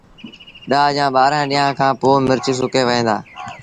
ڏآه جآݩ ٻآهرآݩ ڏيݩهآݩ کآݩ پو مرچ سُڪي وهيݩ دآ